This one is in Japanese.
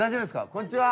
こんちは。